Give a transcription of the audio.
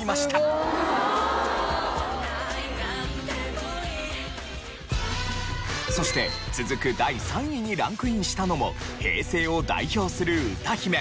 すごい。そして続く第３位にランクインしたのも平成を代表する歌姫。